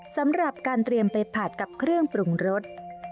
สำหรับการเตรียมไปผัดกับเครื่องปรุงรส